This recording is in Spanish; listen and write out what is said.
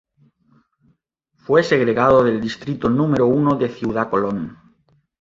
Fue segregado del distrito número uno de Ciudad Colón.